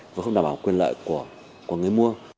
và vừa không đảm bảo quyền lợi của người